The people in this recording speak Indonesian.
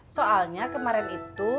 soalnya kemarin itu